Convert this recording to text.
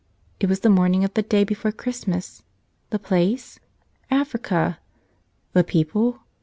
It was the morning of the day before Christmas. The place? Africa. The people?